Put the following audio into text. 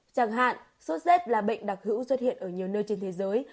chẳng hạn sốt z là bệnh đặc hữu xuất hiện ở nhiều nơi trên thế giới